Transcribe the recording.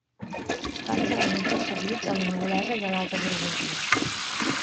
Van ser venuts o cedits a la noblesa i a l'alta burgesia.